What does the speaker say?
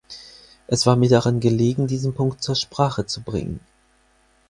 Es war mir daran gelegen, diesen Punkt zur Sprache zu bringen.